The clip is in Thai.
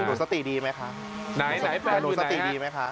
หนูสติดีไหมคะ